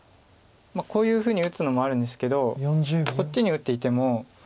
まあこういうふうに打つのもあるんですけどこっちに打っていても。